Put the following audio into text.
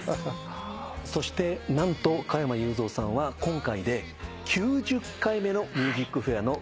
そして何と加山雄三さんは今回で９０回目の『ＭＵＳＩＣＦＡＩＲ』のご出演です。